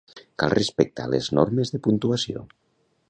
Cal respectar les normes de puntuació.